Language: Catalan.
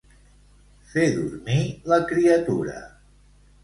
Fer dormir la criatura.